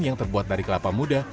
yang terbuat dari kelapa muda